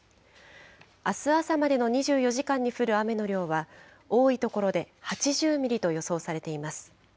あす朝までの２４時間に降る雨の量は多い所で８０ミリと予想されています。